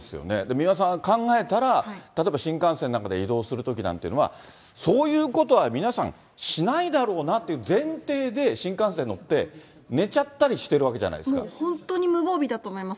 三輪さん、考えたら、例えば新幹線なんかで移動するときなんていうのは、そういうことは皆さん、しないだろうなという前提で新幹線乗って、寝ちゃったりしているもう本当に無防備だと思います。